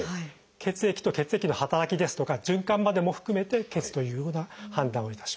血液と血液の働きとか循環までも含めて「血」というような判断をいたします。